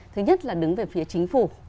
thứ nhất là đứng về phía chính phủ